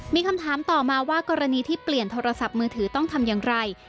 มีคำถามต่อมาว่ากรณีที่เปลี่ยนโทรศัพท์มือถือต้องทำอย่างไร